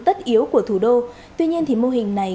tất yếu của thủ đô tuy nhiên thì mô hình này